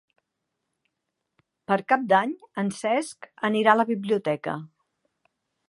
Per Cap d'Any en Cesc anirà a la biblioteca.